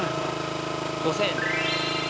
５０００円で。